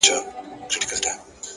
• ه زه د دوو مئينو زړو بړاس يمه،